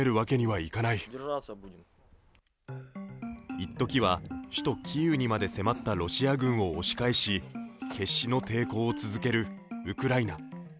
一時は首都キーウにまで迫ったロシア軍を押し返し、決死の抵抗を続けるウクライナ。